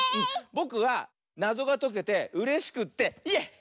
ぼくはなぞがとけてうれしくってイエイ！